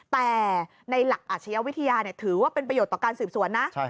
แต่ในหลักอาชญาวิทยาถือว่าเป็นประโยชน์ต่อการสืบสวนนะ